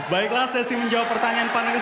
baiklah sesi menjawab pertanyaan panelis